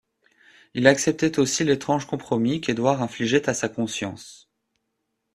Il acceptait aussi l'étrange compromis qu'Édouard infligeait à sa conscience.